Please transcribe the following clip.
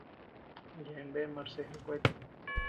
Yeabean bea marceja kuete.